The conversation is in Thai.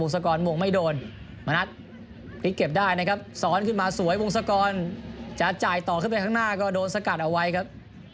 สอนขึ้นมาสวยวงศกรจะจ่ายต่อขึ้นไปข้างหน้าก็โดนสกัดเอาไว้ครับ